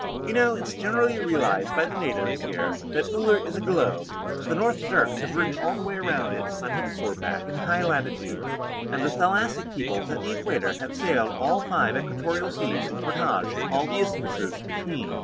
You know, it's generally realized by the natives here that Uller is a globe. The North Zirks have ridden all the way around it, on hipposaur back, in the high latitudes, and the thalassic peoples at the Equator have sailed all the five equatorial seas and portaged all the isthmuses between.